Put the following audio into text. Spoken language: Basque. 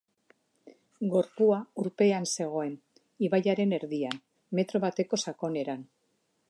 Gorpua urpean zegoen, ibaiaren erdian, metro bateko sakoneran.